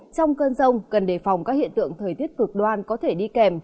trong cơn rông cần đề phòng các hiện tượng thời tiết cực đoan có thể đi kèm